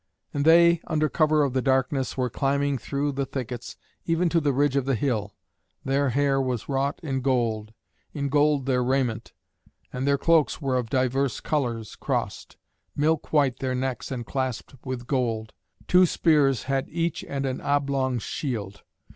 And they, under cover of the darkness, were climbing through the thickets even to the ridge of the hill. Their hair was wrought in gold, in gold their raiment; and their cloaks were of divers colours crossed; milk white their necks and clasped with gold; two spears had each and an oblong shield.